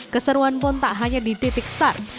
keseruan pun tak hanya di titik start